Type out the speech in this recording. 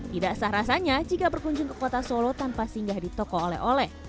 tidak sah rasanya jika berkunjung ke kota solo tanpa singgah di toko oleh oleh